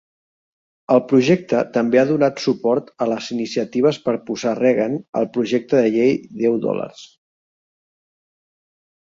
El projecte també ha donat suport a les iniciatives per posar Reagan al projecte de llei deu dòlars.